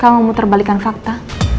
kamu muter balikan fakta